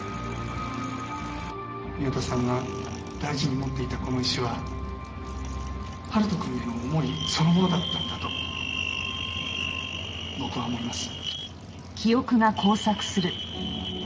宮田さんが大事に持っていたこの石は春人くんへの思いそのものだったんだと僕は思います。